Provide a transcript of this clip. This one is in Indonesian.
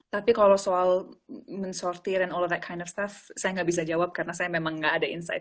tapi kalau soal men sortir and all of that kind of stuff saya nggak bisa jawab karena saya memang nggak ada insight